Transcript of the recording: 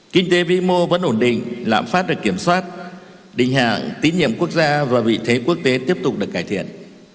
kinh tế vĩ mô vẫn ổn định lãm phát được kiểm soát đình hạng tín nhiệm quốc gia và vị thế quốc tế tiếp tục được cải thiện